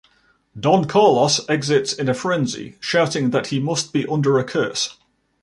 Don Carlos exits in a frenzy, shouting that he must be under a curse.